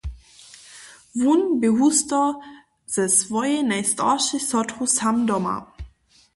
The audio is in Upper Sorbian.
Wón bě husto ze swojej najstaršej sotru sam doma.